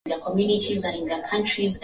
siasa kieconomics na kila kitu